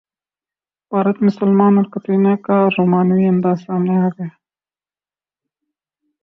بھارت میں سلمان اور کترینہ کا رومانوی انداز سامنے اگیا